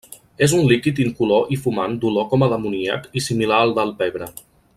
És un líquid incolor i fumant d'olor com d'amoníac i similar al del pebre.